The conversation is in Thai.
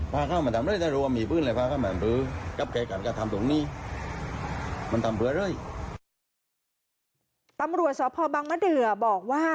ตำรวจสพบังมะเดือบอกว่า